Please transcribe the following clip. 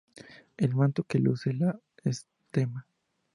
El manto que luce la Stma.